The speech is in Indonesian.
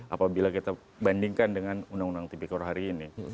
apabila kita bandingkan dengan undang undang tipikor hari ini